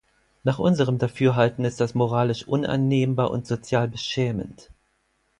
Nach unserem Dafürhalten ist das moralisch unannehmbar und sozial beschämend.